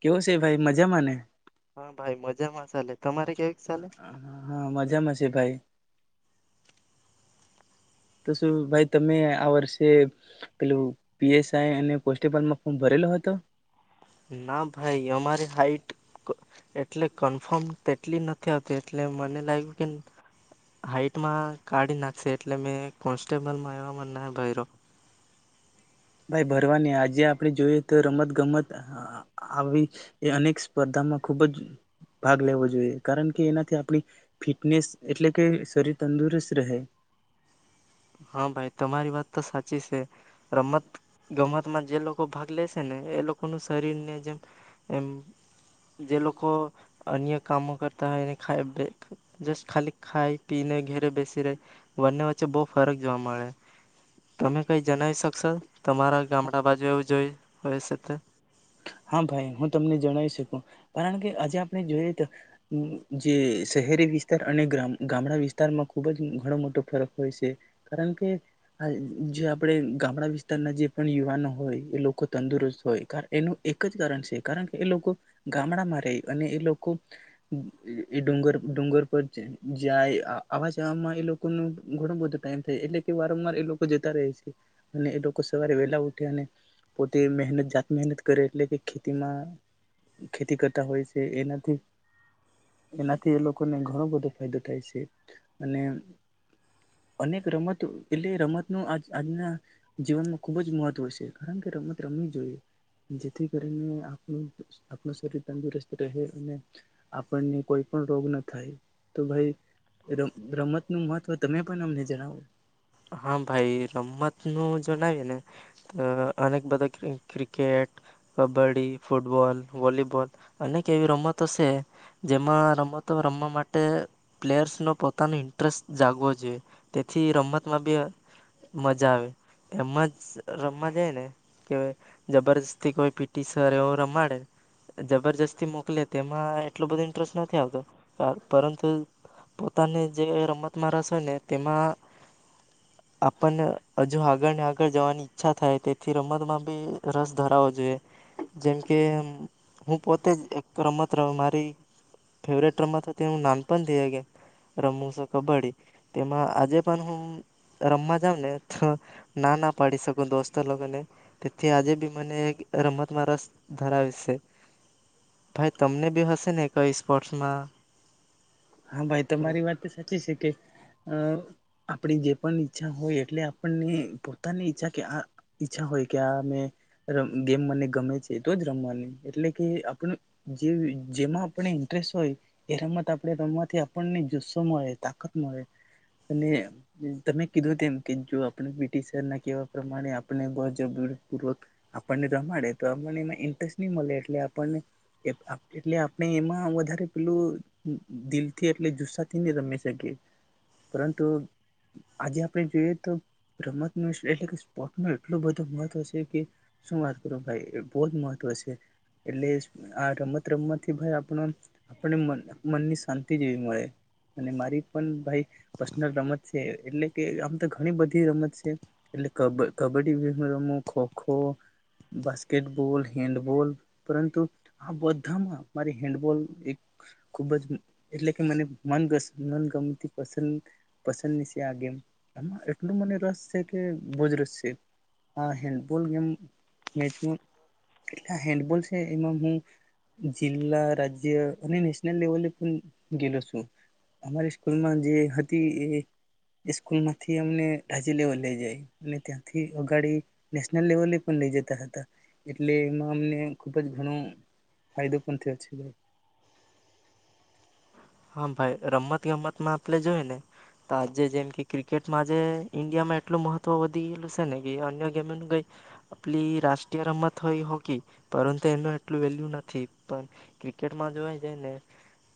કવુ છે ભાઈ મજા હા ભાઈ મજામાં સાલે તમારે કેવી ચાલે ા ભાઈ તો શું ભાઈ તમે આ વર્ષે પેલું પીએસઆઇ અને કોન્સ્ટેબલ નો ફોર્મ ભરેલો હતો. ના ભાઈ અમારી હાઈટ એટલે કન્ફર્મ તેટલી નથી આવતી એટલે મને લાગ્યું કે હાઈટમાં કાઢી નાખશે એટલે મે કોન્સ્ટેબલમાં આવ ના ભર્યો. ભાઈ ભરવાની આજે આપણે જોઈએ તો રમત ગમત આવી એ અનેક સ્પર્ધામાં ખૂબ જ ભાગ લેવો જોઈએ કારણ કે એનાથી આપણી ફિટનેસ એટલે કે શરીર તંદુરસ્ત રહે. હા ભાઈ તમારી વાત તો સાચી છે રમત ગમતમાં જે લોકો ભાગ લેશે ને એ લોકોનું શરીર ને જેમ એમ જે લોકો અન્ય કામો કરતા હોય એને ખ જ ખાલી ખાઈ પીને ઘેરે બેસી રહે બંને વચ્ચે બહુ. ફરક જોવા મળે તમે કઈ જણાવ શકશો તમારા ગામડા બાજુ એવું જોઈ હોય છે. હા ભાઈ હું તમને જણાવી શકું કારણ કે આજે આપણે જોઈએ તો જે શહેરી વિસ્તાર અને ગામડા વિસ્તારમાં ખુબ જ ઘણો મોટો ફરક હોય છે કારણ કે જે આપણે ગામડા વિસ્તારના જે પણ યુવાનો હોય એ લોકો તંદુરસ્ત હોય એનું એક જ કાર કારણ કે એ લોકો ગામડામાં રહે અને એ લોકો એ ડુંગર ડુંગર પર જાય આવા જમાં એ લોકો ન ઘણો બધો ટાઈમ થાય એટલે કે વારંવાર એ લોકો જતા રહે છે અને એ લોકો સવારે વહેલા ઉઠી અને પોતે મહેનત જાત મહેનત કરે એટલે કે ખેતીમાં ખેતી કરતા હોય છે એનાથી એનાથી એ લોકોને ઘણો બધો ફાયદો થાય છે અને અનેક રમત એટલે રમતનું આજ આજના જીવનમાં ખુબ જ મહત્વ છે કારણ કે રમત રમવી જોઈએ. જેથી કરીને આપણું આપણું શરીર તંદુરસ્ત રહે અને આપણને કોઈ પણ રોગ ન થાય તો ભાઈ રમત નું મહત્વ તમે પણ અમને જણાવો. હા ભાઈ રમતનું જણાવએ ને તો અનેક બધા ક્રિકેટ, કબડ્ડી, ફૂટબોલ, વોલીબોલ, અનેક એવી રમતો છે જેમાં રમતો રમવા માટે પ્લેયર્સનો પોતાનો ઇન્ટરેસ્ટ જાગવો જોઈએ તેથી રમત માં બી મજા આવે એમાં જ રમવા જાય ને કે જબરજસ્તી કોઈ પીટી સર એવો રમાડે જબરજસ્તી મોકલે તેમાં એટલું બધું ઇન્ટરેસ્ટ નથી આવતો પરંતુ પોતાની જે રમતમાં રસ હોય ને તેમાં આપણને હજુ આગળને આગળ જવાની ઈચ્છા થાય તેથી રમતમાં બી રસ ધરાવો જોઈએ. જેમ કે હું પોતે જ એક રમત ર મારી ફેવરેટ રમત હતી હુ નામ પણ રમવુ સ કબડ્ડી તેમાં આજે પણ હું રમવા જાવ ને તો ના ના પાડી શકું દોસ્તો લોકોને. તેથી આજે બી મને એક રમતમાં રસ ધરાવેશે, ભાઈ તમને બી હશે ને કોઈ સ્પોર્ટ્સમાં? હા ભાઈ તો મારી વાત તો સાચી છે કે અ આપણી જે પણ ઈચ્છા હોય એટલે આપણને પોતાની ઈચ્છા કે આ ઈચ્છા હોય કે આ ગેમ મને ગમે છે તો જ રમવાની એટલે કે આપણ જે જેમાં આપણે ઇન્ટરેસ્ટ હોય એ રમતા આ રમવાથી આપણને જુસ્સો મળે તાકાત મળે અને તમે કીધું તેમ કે જો આપણે પીટી સર ના કેવા પ્રમાણે આપને જરૂરી પૂર્વક આપણને રમાડે તો આપને એમાં ઇન્ટરેસ્ટ નહી મળે એટલે આપણને એટલે આપણે એમાં વધારે પેલું દથી એટલે જુસ્સાથી ન રમી શકી પરંતુ આજે આપણે જોઈએ તો રમત ન એટલે કે સ્પોર્ટ ન એટલો બધો મહત્વ છે કે શું વાત કરું ભાઈ બહ જ મહત્વ છે એટલે આ રમત રમવાથી આપ આપણે મનની શાંતિ જેવી મળે અને મારી પણ ભાઈ પર્સનલ રમત છે એટલે કે આમ તો ઘણી બધી રમત છે એટલે કબડ્ડી રમુ ખોખો બાસ્કેટબોલ હેન્ડબોલ પરંતુ આ બધામાં મારી હેન્ડબોલ એક ખુબ જ એટલે કે મને મનગ મન ગમતી પસંદ પસંદ ની છે આ ગેમ આ એટલું મને રસ છે કે બહુજ રસ છે, આ હેન્બોલ ગેમ મેલે હેન્ડબોલ છે એમાં હું જિલ્લા રાજ્ય અને લેવલે પણ ગેલો છું અમારી સ્કૂલમાં જે હતી એ સ્કૂલમાંથી અમને રાજ્ય લેવલ લઈ જાય અને ત્યાંથી અગાડી નેશનલ લેવલે પણ લઈ જતા હતા એટલે એમાં અમને ખુબ જ ઘણો ફાયદો પણ થયો છે. હા ભાઈ રમત ગમતમાં આપણે જોઈ ને તો આજે જેમ કે ક્રિકેટમાં આજે ઈન્ડિયામાં એટલું મહત્વ વધી ગયેલું છે ને કે અન્ય ગેમનું કઈ આપલી રાષ્ટ્રીય રમત હોય હોકી પરંતુ એનું એટલું વેલ્યુ નથી પણ ક્રિકેટમાં જોવા જાયને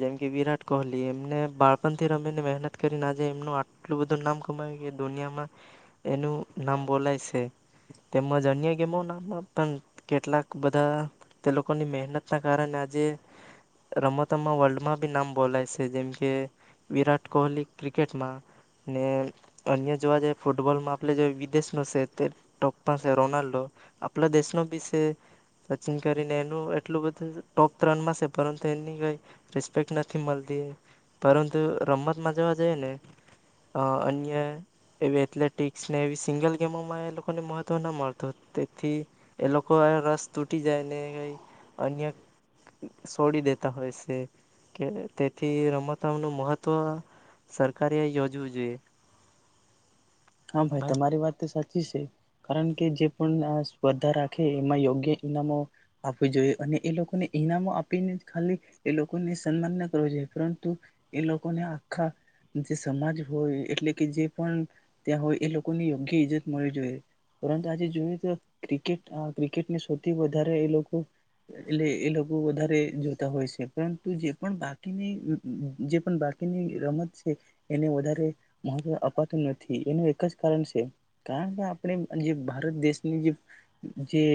જેમ કે વિરાટ કોહલી એમને બાળપણથી રમીને મહેનત કરીને આજે એમનું આટલું બધું નામ કમાય કે દુનિયામાં એનું નામ બોલાય છે તેમજ અન્ય ગેમો ના પણ કેટલાક બધા તે લોકોની મહેનત ના કારણે આજે રમતમાં વર્લ્ડમાં બી નામ બોલાય છે જેમકે વિરાટ કોહલી ક્રિકેટમાં ને અન્ય જોવા જઈ ફૂટબોલમાં આપણે જે વિદેશનો છે તે ટોપમાં છે રોનાલ્ડો આપણા દેશનો બી છે સચિન કરીને એનું એટલું બધું ટોપ ત્રણમાં છે પરંતુ એની કઈ રિસ્પેક્ટ નથી મળતી પરંતુ રમતમાં જવા જઈ ને અન્ય એવી એથ્લેટિક્સ ને એવી સિંગલ ગેમોમાં એ લોકોને મહત્વ ના મળતું તેથી એ લોકો રસ તૂટી જાયને ક અન્ય સોડી દેતા હોય છે. કે તેથી રમતમ નું મહત્વ સરકારે યોજવું જોઈએ. હા ભાઈ તમારી વાત તો સાચ છે કારણ કે જે પણ આ સ્પર્ધા રાખે એમાં યોગ્ય ઈનામો આપું જોઈએ અને એ લોકોને ઈનામો આપીને જ ખાલી એ લોકોને સન્માન ના કરવું જોઈએ પરંતુ એ લોકોને આખા જે સમાજ હોય એટલે કે જે પણ ત્યાં હોય એ લોકોની યોગ્ય ઈજ્જત મળવી જોઈએ પરંતુ આજે જોઈએ તો ક્રિકેટ અ ક્રિકેટને સૌથી વધારે એ લોકો એટલે એ લોકો વધારે જોતા હોય છે પરંતુ જે પણ બાકીની જે પણ બાકીની રમત છે એને વધારે મહત્વ અપાતું નથી. એનું એક જ કારણ છે કારણ કે આપણે જે ભારત દેશની જે જે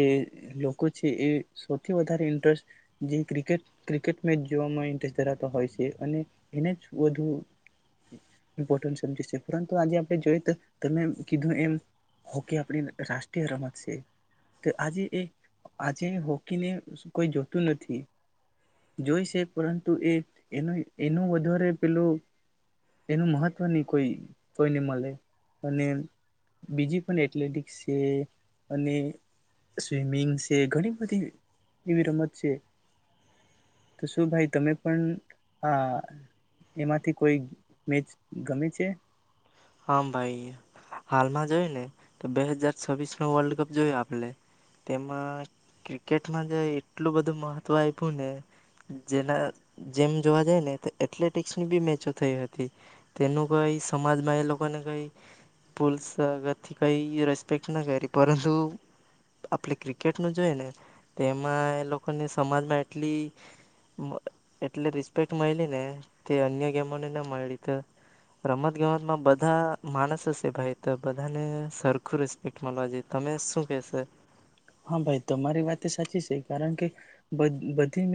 લોકો છે એ સૌથી વધારે ઇન્ટરેસ્ટ જે ક્રિકેટ ક્રિકેટ મેચ જોવામાં ઇન્ટસ્ટ ધરાવતો હોય છે અને એને જ વધુ ઇમ્પોર્ટ સમજે છે પરંતુ આજે તમે કીધું એમ હોકી આપણી રાષ્ટ્રીય રમત છે આજે એ આજે હોકીને કોઈ જોતું નથી જોઈ છે પરંતુ એનું એનું વધારે પેલું એનું મહત્વ નહી કોઈ કોઈને મળ અને બીજી પણ એથ્લેટિક છે અને સ્વિમિંગ છે ઘણી બધી એવી રમત છે. હા ભાઈ હાલમાં જોય ને તો બે હજાર છવ્વીસ નો વર્લ્ડ કપ જોયયો આપણે તેમાં ક્રિકેટમાં જ એટલું બધું મહત્વ આપ્યું ને જેના જેમ જોવા જઈ ને તો એથ્લેટિકસ ની બી મેચો થઈ હતી તેનું કઈ સમાજમાં એ લોકો લોકો ને કઈ પુલ્સગતથી કઈ રેસ્પેક્ટ ના કરી પરંતુ આપણે ક્રિકેટ નું જોઈ ને તેમાં એ લોકોને સમાજમાં એટલી એટલી રિસ્પેક્ટ મળી ને તે અન્ય ગેમોને ના મળી રમત ગમતમાં બ બધા માણસ હશે ભાઈ તો બધાને સરખું રિસ્પેક્ટ મળવા જ તમે શું કેશો? હા ભાઈ તમારી વાત છે એ સાચી છે કારણ કે બધી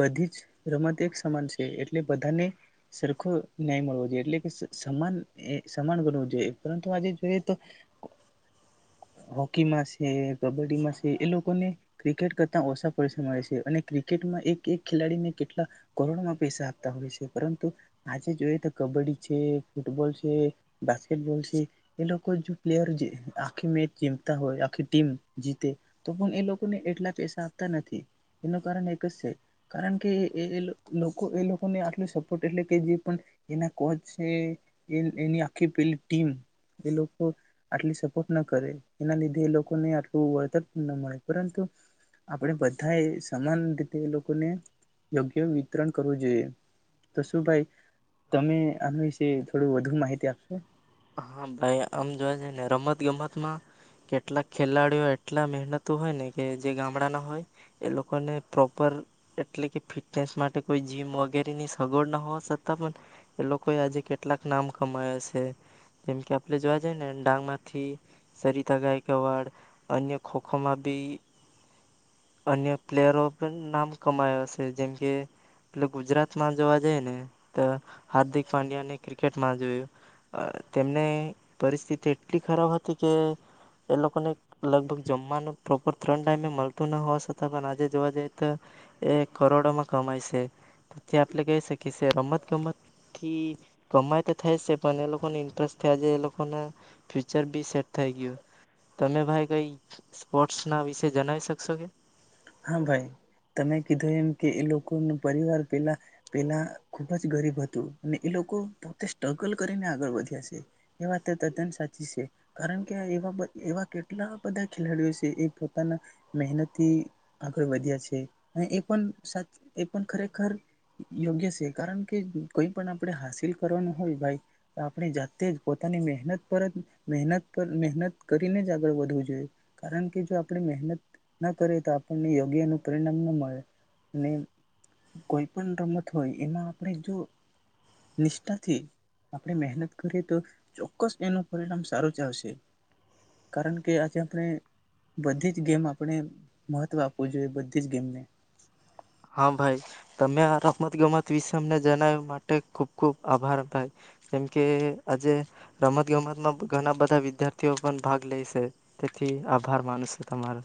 બધી જ રમત એક સમાન છે એટલે બધાને સરખો ન્યાય મળવો જોઈએ એટલે કે સમાન સમાન ગણવું જોઈએ પરંતુ આજે જોઈએ તો હોકી માં છે કબડ્ડીમાં છે એ લોકો ને ક્રિકેટ કરતા ઓછા પૈસા મળે છે અને ક્રિકેટમાં એક એક ખેલાડીને કેટલા કરોડમાં પૈસા આપતા હોય છે પરંતુ આજે જોઈએ તો કબડ્ડી છે ફૂટબોલ છે બાસ્કેટબોલ છે એ લોકો જો પ્લેયર આખી મેચ જમતા હોય આખી ટીમ જીતે તો એને એટલા પૈસા આપતા નથી એનું કારણ એક જ છે કારણ કે એ લોકોને આટલો સપોર્ટ એટલે કે જે પણ એના કોચ છે એની આખી પેલી ટીમ એ લોકો આટલી સપોર્ટ ના કરે એના લીધે એ લોકોને આટલું વળતર ન મળે પરંતુ આપણે બધાએ સમાન રીતે લોકોને યોગ્ય વિતરણ કરવું જોઈએ તો શું ભાઈ તમે આના વિશે થોડ વધુ માહિતી આપશો? હા ભાઈ આમ જોવા જ ને રમત ગમતમાં કેટલાક ખેલાડીઓ એટલા મહેનતુ હોય ને કે જે ગામડા ના હોય એ લોકોને પ્રોપર એટલે કે ફિટનેસ માટે કોઈ જીમ વગેરેની સગવડ ના હોવા છતાં પણ એ લોકોએ આજે કેટલાક નામ કમાય છે. જેમ કે આપણે જોવા જઈએ ને ડાંગમાંથી સરિતા ગાયકવાડ અન્ય ખોખોમાં બી અન્ય પ્લેયરો પણ નામ કમાયો છે જેમકે ગુજરાતમાં જોવા જઈ ને તો હાર્દિક પાંડ્યાને ક્રિકેટમાં જોયું. તેમને પરિસ્થિતિ એટલી ખરાબ હતી કે એ લોકોને લગભગ જમવાનું પ્રોપર ત્રણ ટાઈમે મળતું ન હોવા છતાં પણ આજે જોવા જઈએ તો એ કરોડોમાં કમાય છે તો તે આપણે કહી શકીએ છે રમત ગમતથી કમાય તો થાય જ છે પણ એ લોકોની ટસથી એ થયા જે એ લોકો ના ફ્યુચર બી સેટ થઈ ગયું તમે ભાઈ કઈ સ્પોર્ટ્સ ના વિષ જણાવી શકશો કે? હા ભાઈ તમે કીધું એમ કે એ લોકો ન પરિવાર પેલા પેલા ખુબ જ ગરીબ હતું અને એ લોકો પોતે સ્ટ્રગલ કરીને આગળ વધ્યા છે એ વાત તદ્દન સાચી છે કારણ કે એવા કેટલા બધા ખેલાડીઓ છે એ પોતાના મહેનતથી આગળ વધ્યા છે અને એ પણ સા એ પણ ખરેખર યોગ્ય છે કારણ કે કોઈ પણ આપણે હાસિલ કરવાનું હોય ભાઈ આપણે જાતે જ પોતાની મહેનત પર જ મહેનત પર મહેનત કરીને જ આગળ વધવું જોઈએ કારણ કે જો આપણે મહેનત ના કરે તો અ પણને યોગ્ય એનું પરિણામ ન મળે અને કોઈ પણ રમત હોય એમાં આપણે જો નિષ્ઠાથી આપણે મહેનત કરીએ તો ચોક્કસ એનું પરિણામ સારું જ આવશે કારણ કે આજે આપણે બધી જ ગેમ આપણે મહત્વ આપવું જોઈએ બધી જ ગેમને. હા ભાઈ તમે આ રમત ગમત વિશે અને જણાવવા માટે ખુબ ખુબ આભાર ભાઈ કેમકે આજે રમત ગમતમાં ઘણા બધા વિદ્યાર્થીઓ પણ ભાગ લે છે તેથી આભાર માનુંશો તમારો.